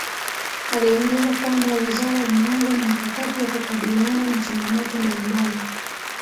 Aliongeza kwamba Wizara imeanza na mkakati wa kukabiliana na changamoto mbalimbali